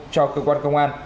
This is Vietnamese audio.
cho cơ quan công an